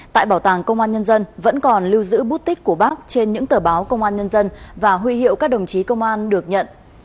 tại bảo tàng công an nhân dân vẫn còn lưu giữ bút tích của bác trên những tờ báo công an nhân dân và huy hiệu các đồng chí công an được nhận